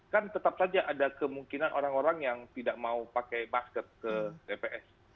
kan tetap saja ada kemungkinan orang orang yang tidak mau pakai masker ke tps